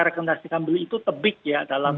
rekomendasikan beli itu tebik ya dalam